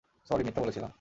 Sorry, মিথ্যা বলেছিলাম।